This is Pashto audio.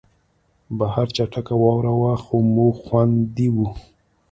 بهر چټکه واوره وه خو موږ خوندي وو